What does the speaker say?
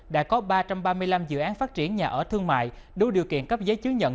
đã có ba trăm ba mươi năm dự án phát triển nhà ở thương mại đủ điều kiện cấp giấy chứng nhận